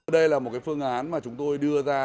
đây là một phương án mà chúng tôi đưa ra